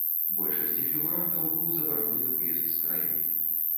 Большасці фігурантаў быў забаронены выезд з краіны.